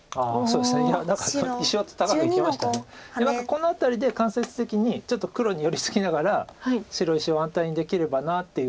この辺りで間接的にちょっと黒に寄り付きながら白石を安泰にできればなっていうとこですよね。